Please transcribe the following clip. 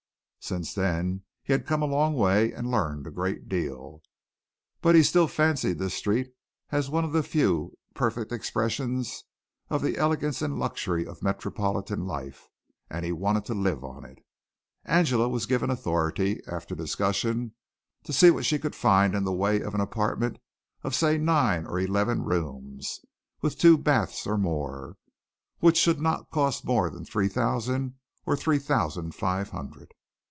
Since then he had come a long way and learned a great deal, but he still fancied this street as one of the few perfect expressions of the elegance and luxury of metropolitan life, and he wanted to live on it. Angela was given authority, after discussion, to see what she could find in the way of an apartment of say nine or eleven rooms with two baths or more, which should not cost more than three thousand or three thousand five hundred.